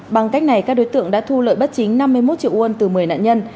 bằng cách này các đối tượng đã thu lợi bất chính năm mươi một triệu won từ một mươi nạn nhân